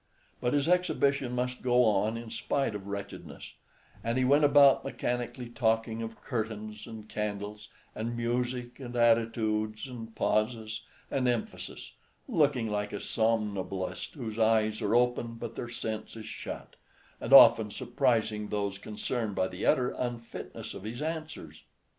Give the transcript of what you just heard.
But his exhibition must go on in spite of wretchedness; and he went about mechanically, talking of curtains and candles, and music, and attitudes, and pauses, and emphasis, looking like a somnambulist whose "eyes are open but their sense is shut," and often surprising those concerned by the utter unfitness of his answers.